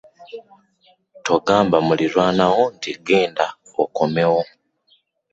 Togamba mulirwanawo nti genda okomewo .